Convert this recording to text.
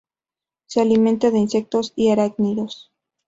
Se alimenta de insectos y arácnidos.